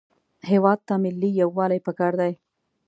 هېواد ته ملي یووالی پکار دی